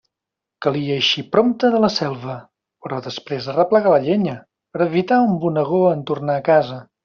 Calia eixir prompte de la selva, però després d'arreplegar la llenya, per a evitar un bonegó en tornar a casa.